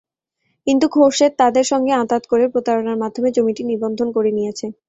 কিন্তু খোরশেদ তাঁদের সঙ্গে আঁতাত করে প্রতারণার মাধ্যমে জমিটি নিবন্ধন করে নিয়েছে।